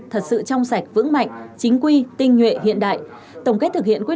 thật sự trong sạch vững mạnh chính quy tinh nhuệ hiện đại